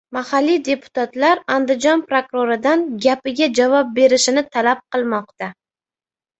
Mahalliy deputatlar Andijon prokuroridan «gapiga javob berish»ni talab qilmoqda